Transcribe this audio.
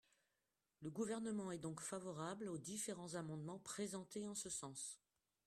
Le Gouvernement est donc favorable aux différents amendements présentés en ce sens.